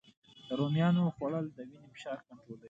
د رومیانو خوړل د وینې فشار کنټرولوي